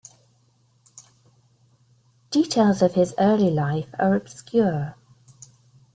Details of his early life are obscure.